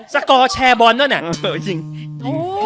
สกอร์แชร์บอลเนอะเนี่ย